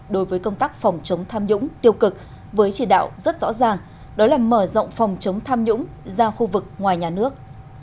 đối với công tác phòng chống tham nhũng tiêu cực với chỉ đạo rất rõ ràng đó là mở rộng phòng chống tham nhũng ra khu vực ngoài nhà nước